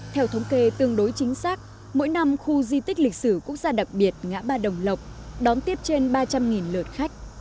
theo thống kê tương đối chính xác mỗi năm khu di tích lịch sử quốc gia đặc biệt ngã ba đồng lộc đón tiếp trên ba trăm linh lượt khách